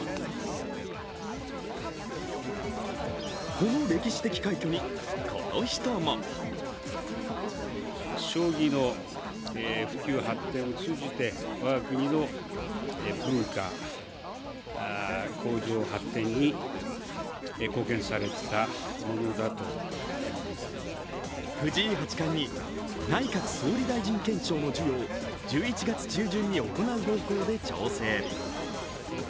この歴史的快挙に、この人も藤井八冠に内閣総理大臣顕彰の授与を１１月中旬に行う方向で調整。